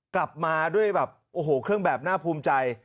กลับมาด้วยแบบโอ้โหเครื่องแบบน่าภูมิใจ